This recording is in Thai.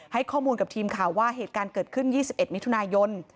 ให้ข้อมูลกับทีมข่าวว่าเหตุการณ์เกิดขึ้น๒๑มิถุนายน